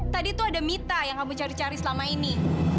tadi tuh ada mita yang kamu cari cari selama ini